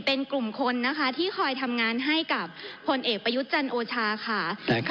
เป็นกลุ่มคนนะคะที่คอยทำงานให้กับพลเอกประยุทธ์จันทร์โอชาค่ะ